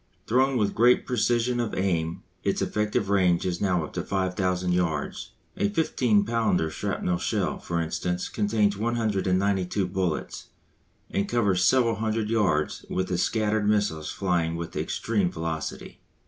Thrown with great precision of aim its effective range is now up to 5000 yards. A 15 pounder shrapnell shell, for instance, contains 192 bullets, and covers several hundred yards with the scattered missiles flying with extreme velocity.